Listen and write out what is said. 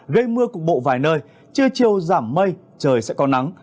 gây mưa cục bộ vài nơi trưa chiều giảm mây trời sẽ có nắng